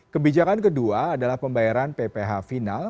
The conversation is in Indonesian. kebijakan kedua adalah pembayaran pph final